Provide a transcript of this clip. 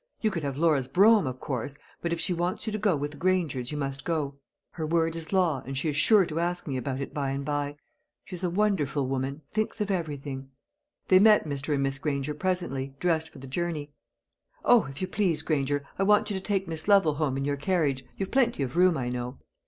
You could have Laura's brougham, of course; but if she wants you to go with the Grangers, you must go. Her word is law; and she's sure to ask me about it by and by. She's a wonderful woman; thinks of everything." They met Mr. and Miss Granger presently, dressed for the journey. "O, if you please, Granger, I want you to take Miss Lovel home in your carriage. You've plenty of 'room, I know."